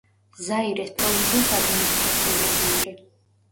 ზაირეს პროვინციის ადმინისტრაციული ცენტრი.